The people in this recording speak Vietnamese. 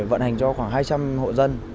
vận hành cho khoảng hai trăm linh hộ dân